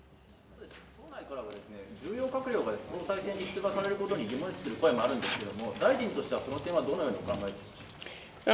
党内からは、重要閣僚が総裁選に出馬されることに疑問の声があると思うんですけれども、大臣としてはその点はどのようにお考えですか。